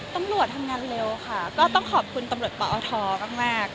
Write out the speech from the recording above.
ตำรวจทำงานเร็วค่ะก็ต้องขอบคุณตำรวจปอทมาก